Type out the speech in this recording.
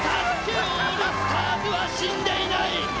オールスターズは死んでいない！